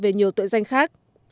điều tra về nhiều tội danh khác